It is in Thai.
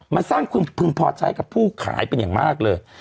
มันสร้างความพึงพอใช้กับผู้ขายเป็นอย่างมากเลย